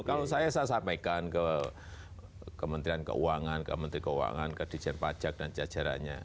kalau saya saya sampaikan ke kementerian keuangan ke menteri keuangan ke dijen pajak dan jajarannya